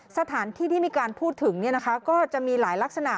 สถานที่ที่มีการพูดถึงก็จะมีหลายลักษณะ